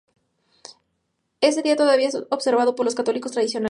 Ese día todavía es observado por los católicos tradicionalistas.